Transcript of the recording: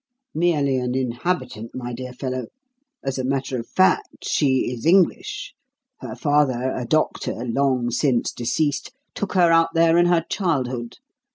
"Merely an inhabitant, my dear fellow. As a matter of fact, she is English. Her father, a doctor, long since deceased, took her out there in her childhood.